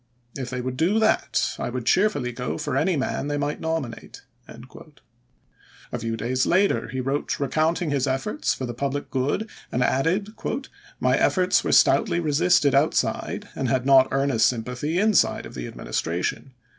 If they would do that I would cheerfully go for any man they might nominate." A few days later he wrote recounting his efforts for the public good, and added: "My efforts were stoutly resisted outside, and had not earnest sympathy inside of the Admin istration.